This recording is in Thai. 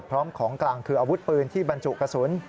พร้อมของกลางคืออาวุธปืนที่บรรจุกระสุน